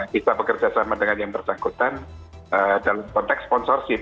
bisa bekerja sama dengan yang bersangkutan dalam konteks sponsorship